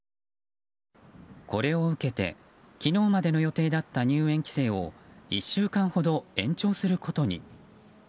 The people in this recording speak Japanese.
これを受けて昨日までの予定だった入園規制を１週間ほど延長することに。